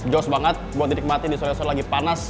jose banget buat dinikmati di sore sore lagi panas